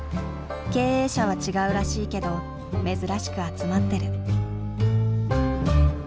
経営者は違うらしいけど珍しく集まってる。